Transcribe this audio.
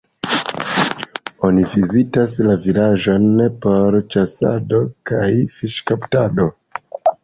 Oni vizitas la vilaĝon por ĉasado kaj fiŝkaptado.